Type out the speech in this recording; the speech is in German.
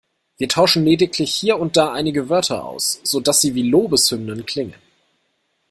Wir tauschen lediglich hier und da einige Wörter aus, sodass sie wie Lobeshymnen klingen.